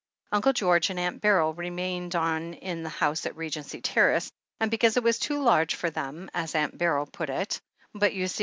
Uncle George and Aunt Beryl remained on in the house at Regency Terrace, and because it was too large for them, as Atmt Beryl put it — ("But you see.